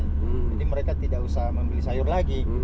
jadi mereka tidak usah membeli sayur lagi